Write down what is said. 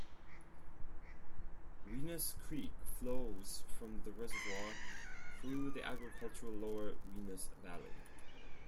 Wenas Creek flows from the reservoir through the agricultural lower Wenas Valley.